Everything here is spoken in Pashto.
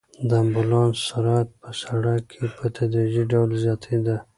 د امبولانس سرعت په سړک کې په تدریجي ډول زیاتېده.